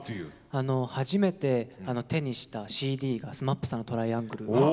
初めて手にしたＣＤがＳＭＡＰさんの「Ｔｒｉａｎｇｌｅ」。